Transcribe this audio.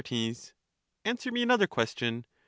Answer me another question.